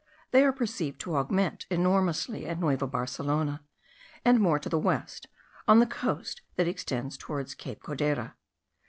They are perceived to augment enormously at Nueva Barcelona, and more to the west, on the coast that extends towards Cape Codera.